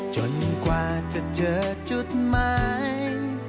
จนกว่าจะเจอจุดใหม่